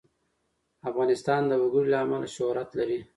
افغانستان د وګړي له امله شهرت لري.